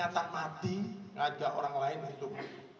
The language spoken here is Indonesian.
jadi ngajak orang lain untuk